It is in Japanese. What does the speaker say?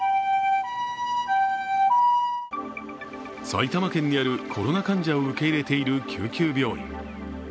埼玉県にあるコロナ患者を受け入れている救急病院。